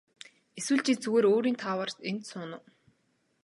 Эсвэл чи зүгээр өөрийн тааваар энд сууна уу.